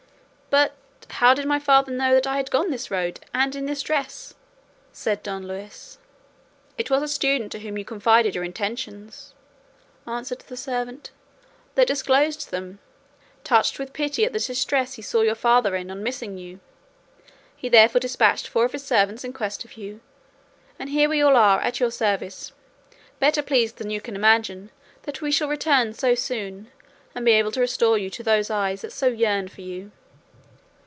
"But how did my father know that I had gone this road and in this dress?" said Don Luis. "It was a student to whom you confided your intentions," answered the servant, "that disclosed them, touched with pity at the distress he saw your father suffer on missing you; he therefore despatched four of his servants in quest of you, and here we all are at your service, better pleased than you can imagine that we shall return so soon and be able to restore you to those eyes that so yearn for you."